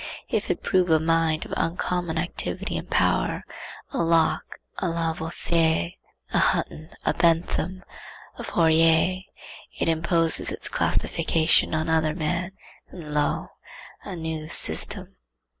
If it prove a mind of uncommon activity and power, a Locke, a Lavoisier, a Hutton, a Bentham, a Fourier, it imposes its classification on other men, and lo! a new system.